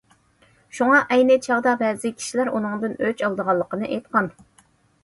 شۇڭا ئەينى چاغدا بەزى كىشىلەر ئۇنىڭدىن ئۆچ ئالىدىغانلىقىنى ئېيتقان.